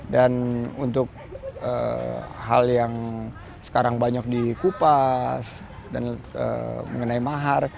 dan untuk hal yang sekarang banyak dikupas dan mengenai mahar